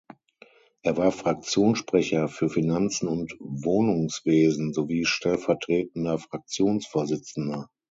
Er war Fraktionssprecher für Finanzen und Wohnungswesen sowie stellvertretender Fraktionsvorsitzender.